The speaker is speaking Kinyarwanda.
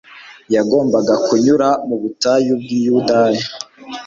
yagombaga kunyura mu butayu bw'i Yudaya.